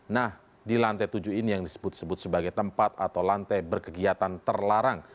nah di lantai tujuh ini yang disebut sebut sebagai tempat atau lantai berkegiatan terlarang